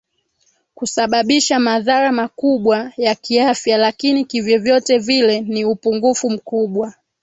kusababisha madhara makubwa ya kiafya lakini kivyovyote vile ni upungufu mkubwa